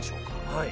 はい。